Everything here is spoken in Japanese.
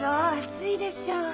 暑いでしょう？